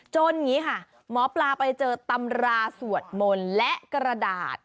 อย่างนี้ค่ะหมอปลาไปเจอตำราสวดมนต์และกระดาษ